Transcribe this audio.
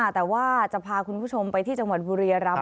แต่ว่าจะพาคุณผู้ชมไปที่จังหวัดบุรียรำ